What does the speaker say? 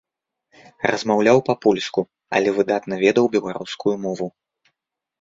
Размаўляў па-польску, але выдатна ведаў беларускую мову.